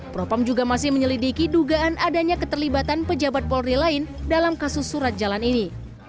propam juga masih menyelidiki dugaan adanya keterlibatan pejabat polri lain dalam kasus surat jalan ini